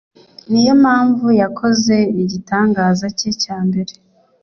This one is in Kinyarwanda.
niyo mpamvu yakoze igitangaza cye cya mbere.